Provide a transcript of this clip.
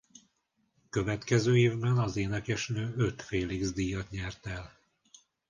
Következő évben az énekesnő öt Félix-díjat nyert el.